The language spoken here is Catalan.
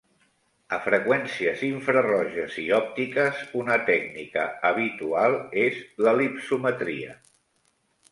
A freqüències infraroges i òptiques, una tècnica habitual és l'elipsometria.